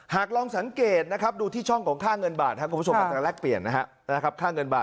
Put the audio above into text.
หากลองสังเกตนะครับดูที่ช่องของค่าเงินบาทครับ